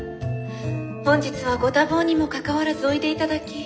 本日はご多忙にもかかわらずおいで頂き